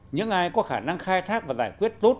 những ai có khả năng khai thác và giải quyết tốt